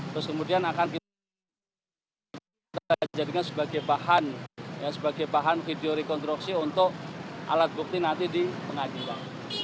terus kemudian akan kita jadikan sebagai bahan sebagai bahan video rekonstruksi untuk alat bukti nanti di pengadilan